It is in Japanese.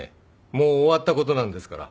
もう終わったことなんですから。